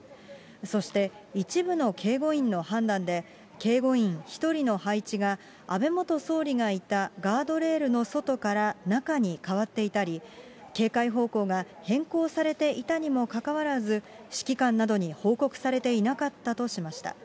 そして、一部の警護員の判断で、警護員１人の配置が、安倍元総理がいたガードレールの外から中に変わっていたり、警戒方向が変更されていたにもかかわらず、指揮官などに報告されていなかったとしました。